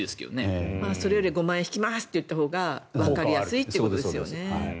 それより５万円引きますって言ったほうがわかりやすいということですよね。